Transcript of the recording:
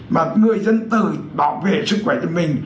mà người dân tự bảo vệ sức khỏe cho mình